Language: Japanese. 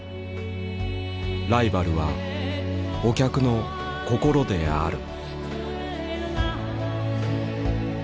「ライバルはお客のこころである」。